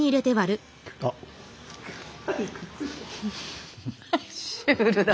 シュールだな。